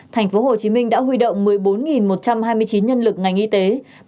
tp hcm đã huy động một mươi bốn một trăm hai mươi chín nhân lực ngành y tế